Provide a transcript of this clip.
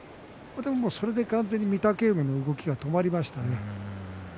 それでもう完全に御嶽海の動きが止まりましたね。